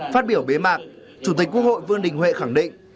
phát biểu bế mạc chủ tịch quốc hội vương đình huệ khẳng định